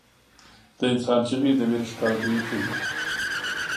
• د انسان چیغې د وېرې ښکارندویي کوي.